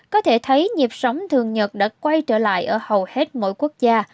có thể thấy nhịp sống thường nhật đã quay trở lại ở hầu hết mỗi quốc gia